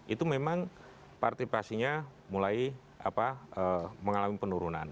itu memang partisipasinya mulai mengalami penurunan